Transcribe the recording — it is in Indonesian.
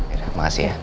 ya dah makasih ya